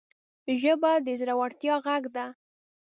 ژبه د زړورتیا غږ ده